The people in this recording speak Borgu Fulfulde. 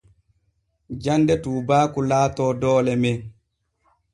Jande tuubaaku laato doole men.